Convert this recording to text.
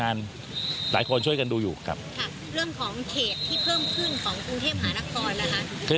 อาจารย์ก็เป็นผู้ว่าด้วย